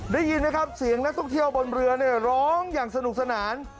ได้ยินนะครับเสียงนักท่องเที่ยวบนเรือเนี่ยร้องอย่างสนุกสนาน